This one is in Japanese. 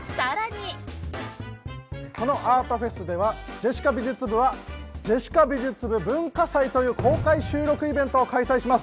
このアートフェスでは『ジェシカ美術部』は「ジェシカ美術部文化祭」という公開収録イベントを開催します。